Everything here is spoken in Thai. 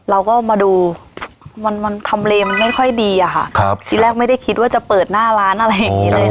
เราก็มาดูมันมันทำเลมันไม่ค่อยดีอะค่ะครับทีแรกไม่ได้คิดว่าจะเปิดหน้าร้านอะไรอย่างนี้เลย